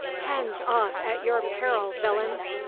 "Hands off! at your peril, villains!"